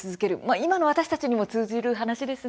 今の私たちにも通じる話ですね。